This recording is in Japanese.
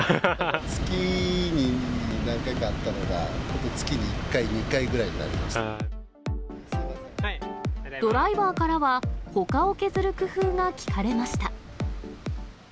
月に何回かあったのが、月に１回、ドライバーからは、ほかを削る工夫が聞かれました。